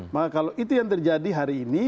maka kalau itu yang terjadi hari ini